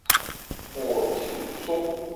火炬松为松科松属的植物。